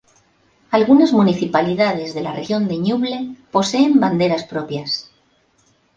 Algunas municipalidades de la Región de Ñuble poseen banderas propias.